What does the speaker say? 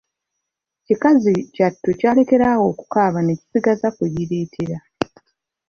Kikazi kyattu kyalekera awo okukaaba ne kisigaza kuyiriitira.